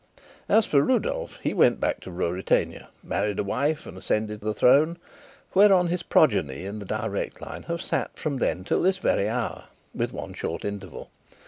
As for Rudolf, he went back to Ruritania, married a wife, and ascended the throne, whereon his progeny in the direct line have sat from then till this very hour with one short interval.